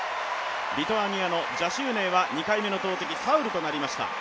リトアニアのジャシウネイは２回目の投てき、ファウルとなりました。